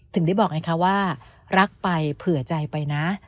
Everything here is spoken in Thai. ถึงได้บอกไงคะว่ารักไปเผื่อใจไปนะ